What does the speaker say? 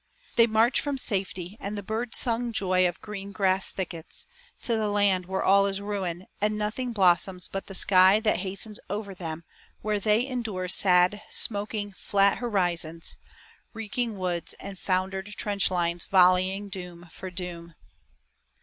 They march from safety, and the bird sung joy Of grass green thickets, to the land where all Is ruin, and nothing blossoms but the sky That hastens over them where they endure Sad, smoking, flat horizons, reeking woods, And foundered trench lines volleying doom for doom.